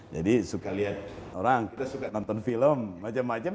jadi suka lihat orang kita suka nonton film macam macam